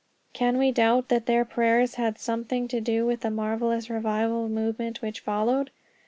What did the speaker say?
Can we doubt that their prayers had something to do with the marvelous revival movement which followed?